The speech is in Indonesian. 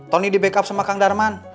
tony di backup sama kang darman